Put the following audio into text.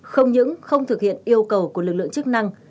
không những không thực hiện yêu cầu của lực lượng chức năng